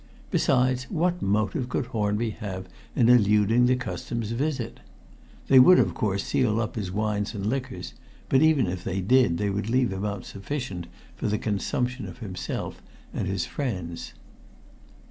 Besides, what motive could Hornby have in eluding the Customs visit? They would, of course, seal up his wines and liquors, but even if they did, they would leave him out sufficient for the consumption of himself and his friends.